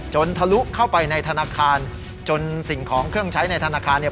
ทะลุเข้าไปในธนาคารจนสิ่งของเครื่องใช้ในธนาคารเนี่ย